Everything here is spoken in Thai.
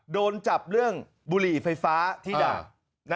โดนจับเรื่องบุหรี่ไฟฟ้าที่ด่าน